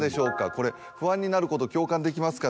これ不安になること共感できますか？